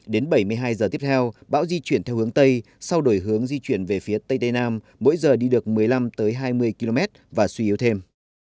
đến bảy mươi hai giờ tiếp theo bão di chuyển theo hướng tây sau đổi hướng di chuyển về phía tây tây nam mỗi giờ đi được một mươi năm hai mươi km và suy yếu thêm